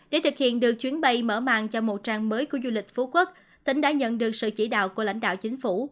để thực hiện được chuyến bay mở màng cho một trang mới của du lịch phú quốc tỉnh đã nhận được sự chỉ đạo của lãnh đạo chính phủ